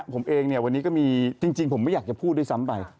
ผมเองเนี่ยวันนี้ก็มีจริงผมไม่อยากจะพูดด้วยซ้ำไป